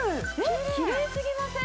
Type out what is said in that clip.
きれいすぎません？